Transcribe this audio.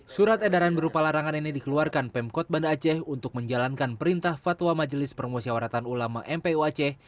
surat edaran berupa larangan ini dikeluarkan pemkot banda aceh untuk menjalankan perintah fatwa majelis permusyawaratan ulama mpu aceh